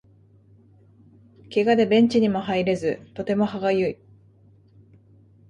ケガでベンチにも入れずとても歯がゆい